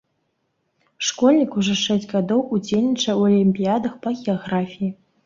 Школьнік ужо шэсць гадоў удзельнічае ў алімпіядах па геаграфіі.